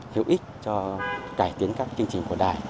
hữu ích cho cải tiến các chương trình của đài